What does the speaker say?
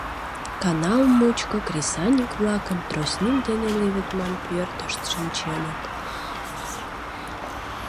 Канал мучко кресаньык-влакын тростник дене леведман пӧртышт шинченыт.